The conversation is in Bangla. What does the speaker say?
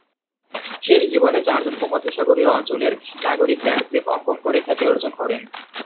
শেষ জীবনে চার্চ ভূমধ্যসাগরীয় অঞ্চলের নাগরিক ল্যান্ডস্কেপ অঙ্কন করে খ্যাতি অর্জন করেন।